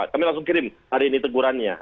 kami langsung kirim hari ini tegurannya